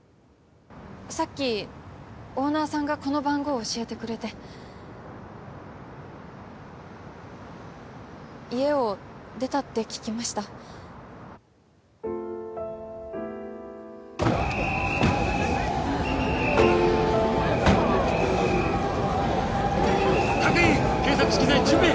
さっきオーナーさんがこの番号教えてくれて家を出たって聞きました各員検索資機材準備！